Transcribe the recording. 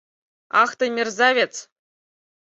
— Ах тый, мерзавец!